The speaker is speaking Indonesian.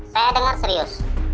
saya dengar serius